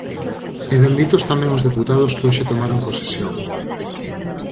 E benvidos tamén os deputados que hoxe tomaron posesión.